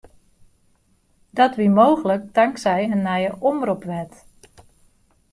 Dat wie mooglik tanksij in nije omropwet.